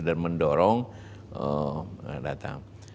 dan mendorong data